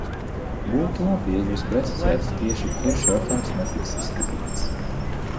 Būtu labi, ja jūs precizētu, tieši kurš jautājums netiks izskatīts.